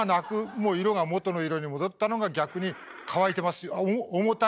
もう色が元の色に戻ったのが逆に「乾いてますよ」「重たくありませんよ」。